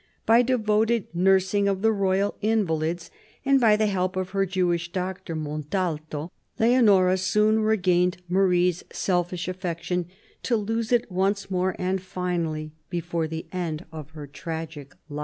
By devoted nursing of the royal invalids, and by the help of her Jewish doctor, Montalto, Leonora soon regained Marie's selfish affection, to lose it once more, and finally, before the end of her tragic life.